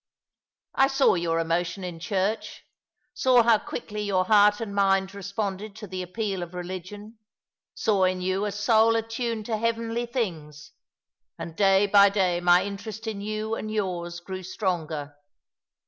I saw your emotion in clinrcli, saw how quickly your heart and mind responded to the appeal of religion — saw in you a soul attuned to heavenly things, and day by day my interest in you and yours grew stronger.